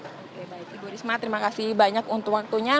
oke baik ibu risma terima kasih banyak untuk waktunya